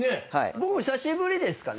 僕も久しぶりですかね。